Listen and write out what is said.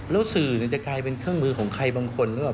แล้วสื่อจะกลายเป็นเครื่องมือของใครบางคนหรือเปล่า